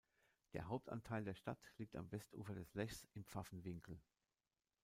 Der Hauptanteil der Stadt liegt am Westufer des Lechs im Pfaffenwinkel.